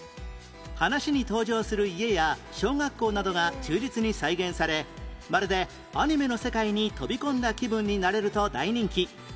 話に登場する家や小学校などが忠実に再現されまるでアニメの世界に飛び込んだ気分になれると大人気